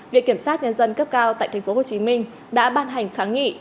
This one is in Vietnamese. việc kiểm soát nhân dân cấp cao tại tp hcm đã ban hành kháng nghị